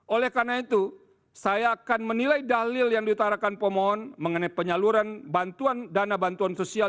oleh karena itu saya akan menilai dalil yang diutarakan pemohon mengenai penyaluran bantuan dana bantuan sosial